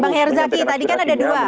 bang herzaki tadi kan ada dua